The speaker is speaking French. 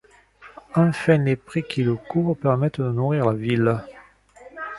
Enfin les prés qui le couvrent permettaient de nourrir la ville.